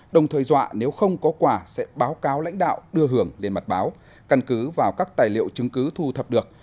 đồng thời dọa nếu không có quả sẽ báo cáo lãnh đạo đưa hưởng lên mặt báo căn cứ vào các tài liệu chứng cứ thu thập được